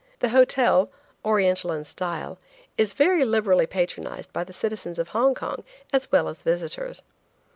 The hotel–Oriental in style–is very liberally patronized by the citizens of Hong Kong, as well as visitors.